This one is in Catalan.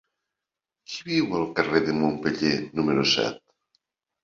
Qui viu al carrer de Montpeller número set?